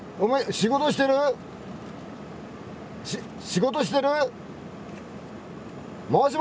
仕事してるか？